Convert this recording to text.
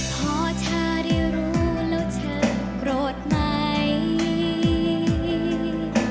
พอเธอได้รู้แล้วเธอโกรธไหม